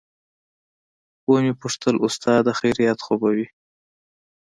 ومې پوښتل استاده خيريت خو به وي.